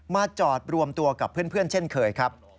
จอดรวมตัวกับเพื่อนเช่นเคยครับ